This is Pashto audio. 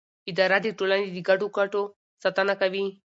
اداره د ټولنې د ګډو ګټو ساتنه کوي.